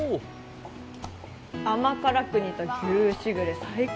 甘辛く似た牛しぐれ、最高。